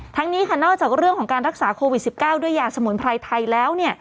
นี้ค่ะนอกจากเรื่องของการรักษาโควิด๑๙ด้วยยาสมุนไพรไทยแล้ว